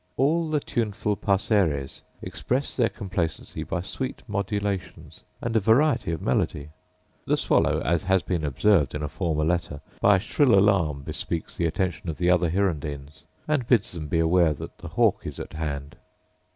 All the tuneful passeres express their complacency by sweet modulations, and a variety of melody. The swallow, as has been observed in a former letter, by a shrill alarm bespeaks the attention of the other hirundines, and bids them be aware that the hawk is at hand.